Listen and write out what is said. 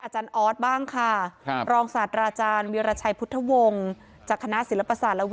เช่นกันนะครับอาจจะเป็นซากของนกที่ตายแล้ว